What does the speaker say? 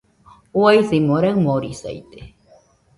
Uaisimo raɨmorisaide